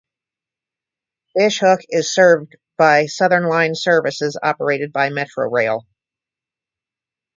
Fish Hoek is served by Southern Line services operated by Metrorail.